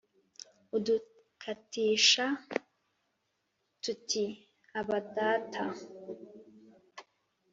udutakisha tuti: Aba, Data!